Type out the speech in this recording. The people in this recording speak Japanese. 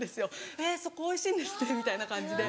「えそこおいしいんですね」みたいな感じで。